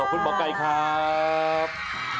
ขอบคุณหมอกัยครับ